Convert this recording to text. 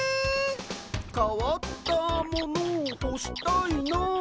「かわったものをほしたいな」